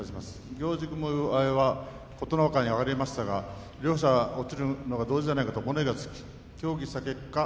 行司軍配は琴ノ若に上がりましたが両者落ちるのが同時なんじゃないかと物言いがつき協議の結果